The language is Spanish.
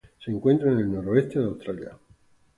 Se encuentran al noroeste de Australia.